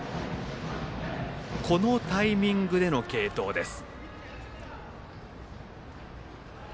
このタイミングでの継投です。